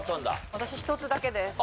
私１つだけです。